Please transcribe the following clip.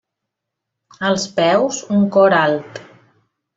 Als peus, un cor alt.